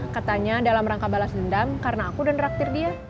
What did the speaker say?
katanya dalam rangka balas dendam karena aku dan raktir dia